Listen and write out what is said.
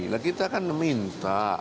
nah kita kan meminta